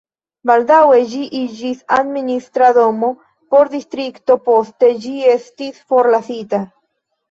Baldaŭe ĝi iĝis administra domo por distrikto, poste ĝi estis forlasita.